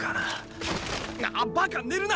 ああバカ寝るな！